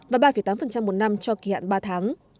và ba tám một năm cho kỳ hạn ba tháng